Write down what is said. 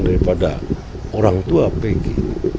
daripada orang tua pergi